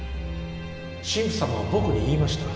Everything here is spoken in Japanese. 神父さまは僕に言いました。